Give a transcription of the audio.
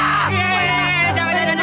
gue mau bunuh diri aja